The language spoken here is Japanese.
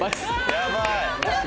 やばい！